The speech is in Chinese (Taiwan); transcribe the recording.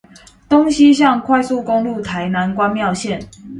東西向快速公路台南關廟線